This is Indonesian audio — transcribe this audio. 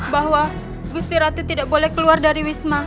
bahwa gusti ratu tidak boleh keluar dari wisma